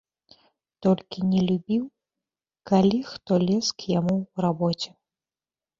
Толькі не любіў, калі хто лез к яму ў рабоце.